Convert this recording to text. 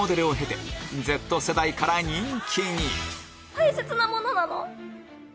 大切なものなの？